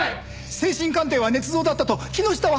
精神鑑定はねつ造だったと木下は白状した。